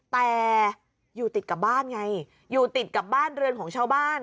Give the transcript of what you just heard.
แต่อยู่ติดกับบ้านไงอยู่ติดกับบ้านเรือนของชาวบ้าน